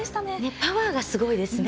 パワーがすごいですね。